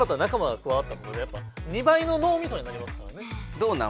どうなん？